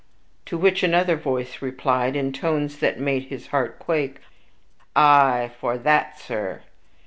to which another voice replied, in tones that made his heart quake, "Aye, for THAT, sir."